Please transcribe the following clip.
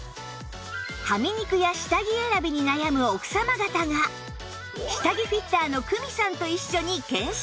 はみ肉や下着選びに悩む奥様方が下着フィッターの ＫＵＭＩ さんと一緒に検証